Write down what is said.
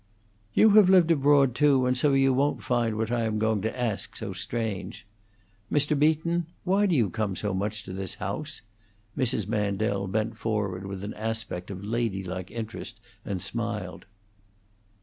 "You have lived abroad, too, and so you won't find what I am going to ask so strange. Mr. Beaton, why do you come so much to this house?" Mrs. Mandel bent forward with an aspect of ladylike interest and smiled.